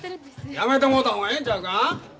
やめてもろた方がええんちゃうか。